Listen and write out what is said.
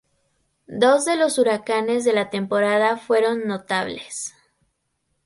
Dos de los huracanes de la temporada fueron notables.